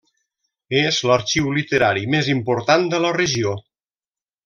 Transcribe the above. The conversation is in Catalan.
És l'arxiu literari més important de la regió.